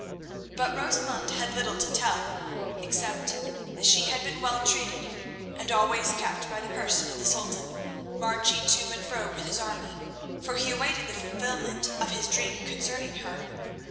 But Rosamund had little to tell, except that she had been well treated, and always kept by the person of the Sultan, marching to and fro with his army, for he awaited the fulfilment of his dream concerning her.